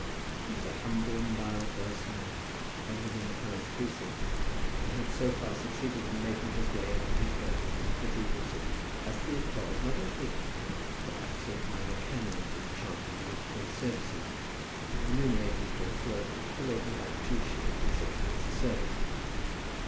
He was a humble, mild voiced man, when within the palace precincts, and had so far succeeded in making his way among his brethren in the cathedral city as to be employed not unfrequently for absent minor canons in chanting the week day services, being remunerated for his work at the rate of about two shillings and sixpence a service.